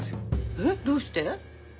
えっどうして？